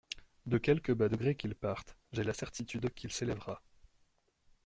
De quelque bas degré qu'il parte, j'ai la certitude qu'il s'élèvera.